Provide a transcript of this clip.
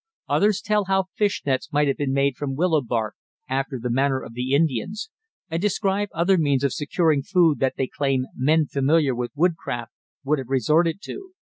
Others tell how fish nets might have been made from willow bark "after the manner of the Indians," and describe other means of securing food that they claim men familiar with woodcraft would have resorted to.